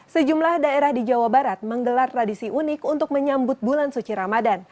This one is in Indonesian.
sejumlah daerah di jawa barat menggelar tradisi unik untuk menyambut bulan suci ramadan